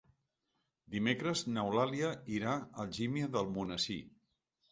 Dimecres n'Eulàlia irà a Algímia d'Almonesir.